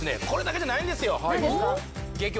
これだけじゃないんですよ